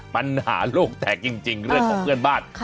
ปัญหาโลกแตกจริงเรื่องของเพื่อนบ้าน